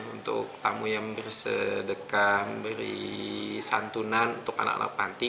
untuk tamu yang bersedekah beri santunan untuk anak anak panti